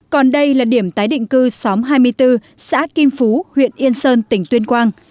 còn đây là điểm tái định cư xóm hai mươi bốn xã kim phú huyện yên sơn tỉnh tuyên quang